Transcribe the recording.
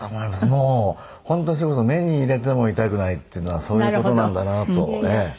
もう本当にそれこそ目に入れても痛くないっていうのはそういう事なんだなとええ。